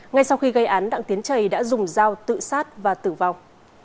ngay sau khi gây án đặng tiến trầy đã dùng dao tự sát và tử vong